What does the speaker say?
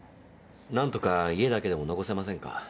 何とか家だけでも残せませんか？